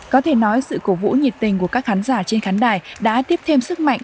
có thể nói sự cổ vũ nhiệt tình của các khán giả trên khán đài đã tiếp thêm sức mạnh